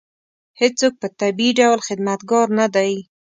هېڅوک په طبیعي ډول خدمتګار نه دی.